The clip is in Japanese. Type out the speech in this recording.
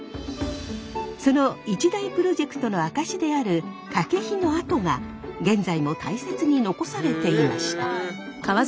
その一大プロジェクトの証しである掛の跡が現在も大切に残されていました。